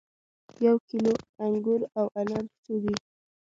یو کیلو انګور او انار په څو دي